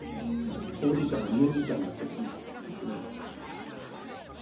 ほうじ茶がじゅんじ茶になっちゃいそうだ。